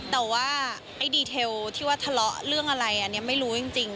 แต่ว่าไอ้ดีเทลที่ว่าทะเลาะเรื่องอะไรอันนี้ไม่รู้จริง